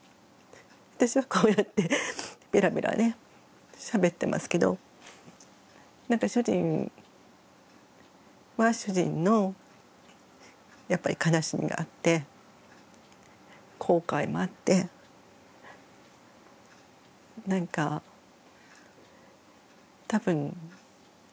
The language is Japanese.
私はこうやってベラベラねしゃべってますけど主人は主人のやっぱり悲しみがあって後悔もあってなんか多分。